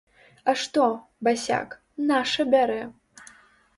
А што, басяк, наша бярэ!